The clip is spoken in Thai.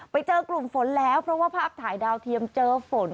ไปเจอกลุ่มฝนแล้วเพราะว่าภาพถ่ายดาวเทียมเจอฝน